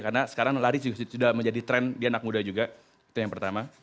karena sekarang lari sudah menjadi tren di anak muda juga itu yang pertama